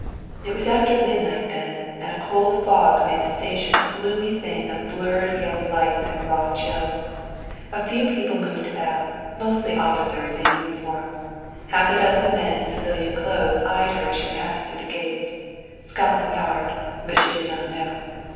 It was after midnight then, and a cold fog made the station a gloomy thing of blurred yellow lights and raw chill. A few people moved about, mostly officers in uniform. Half a dozen men in civilian clothes eyed her as she passed through the gates; Scotland Yard, but she did not know.